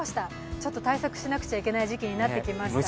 ちょっと対策しなくちゃいけない時期になってきましたね。